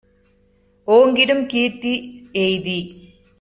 ஓங்கிடும் கீர்த்தி யெய்தி